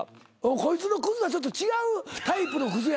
こいつのクズはちょっと違うタイプのクズやからな。